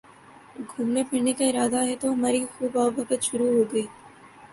گھومنے پھرنے کا ارادہ ہے تو ہماری خوب آؤ بھگت شروع ہو گئی